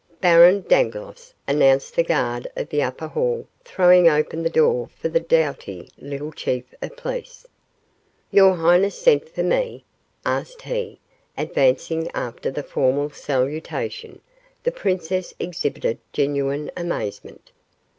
"Baron Dangloss!" announced the guard of the upper hall, throwing open the door for the doughty little chief of police. "Your highness sent for me?" asked he, advancing after the formal salutation. The princess exhibited genuine amazement.